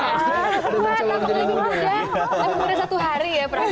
emang udah satu hari ya prabowo